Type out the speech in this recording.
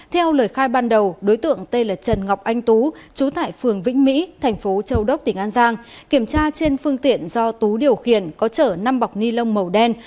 theo lời khai ban đầu đối tượng tên là trần ngọc anh tú trú tại phường vĩnh mỹ thành phố châu đốc tỉnh an giang kiểm tra trên phương tiện do tú điều khiển có chở năm bọc ni lông màu đen